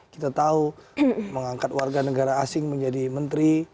kita tahu mengangkat warga negara asing menjadi menteri